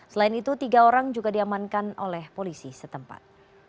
selain itu tiga orang juga diamankan oleh polisi setempat